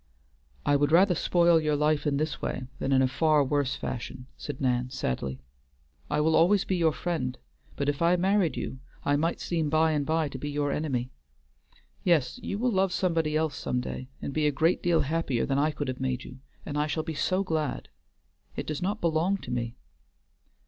"I would rather spoil your life in this way than in a far worse fashion," said Nan sadly. "I will always be your friend, but if I married you I might seem by and by to be your enemy. Yes, you will love somebody else some day, and be a great deal happier than I could have made you, and I shall be so glad. It does not belong to me."